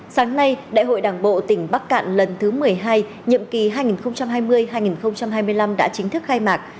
sáng nay đại hội đảng bộ tỉnh bắc cạn lần thứ một mươi hai nhiệm kỳ hai nghìn hai mươi hai nghìn hai mươi năm đã chính thức khai mạc